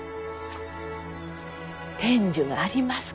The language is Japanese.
天寿があります